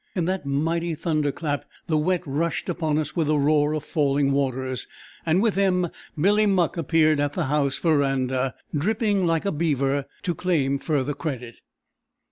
In that mighty thunderclap the Wet rushed upon us with a roar of falling waters, and with them Billy Muck appeared at the house verandah dripping like a beaver, to claim further credit.